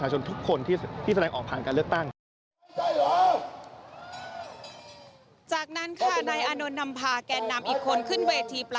หรือว่าพระเก้าไกล